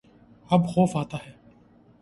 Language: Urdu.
اب خوف آتا ہے